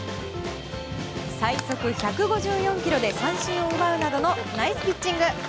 最速１５４キロで三振を奪うなどのナイスピッチング。